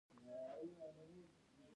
د چرګو غل.